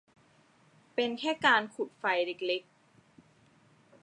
เป็นแค่การขุดไฟเล็ก ๆ